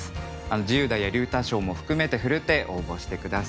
自由題や龍太賞も含めて奮って応募して下さい。